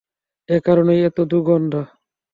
এ কারণেই এত দুর্গন্ধ।